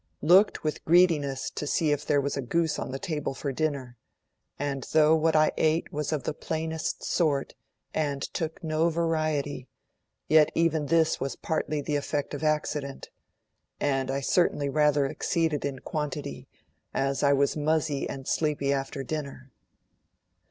Looked with greediness to see if there was a goose on the table for dinner; and though what I ate was of the plainest sort, and I took no variety, yet even this was partly the effect of accident, and I certainly rather exceeded in quantity, as I was fuzzy and sleepy after dinner.'